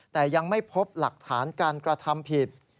แต่ยังไม่พบหลักฐานการกระทำผิด